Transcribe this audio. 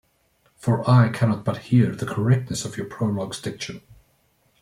For I cannot but hear the correctness of your prologue's diction.